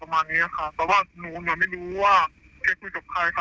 ประมาณเนี้ยค่ะแต่ว่าหนูหนูไม่รู้ว่าแกคุยกับใครค่ะ